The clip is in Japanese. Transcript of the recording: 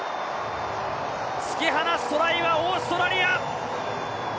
突き放すトライはオーストラリア！